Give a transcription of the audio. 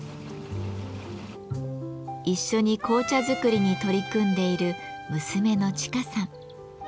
一緒に紅茶作りに取り組んでいる娘の千佳さん。